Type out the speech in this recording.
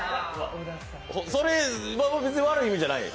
それ別に悪い意味じゃない？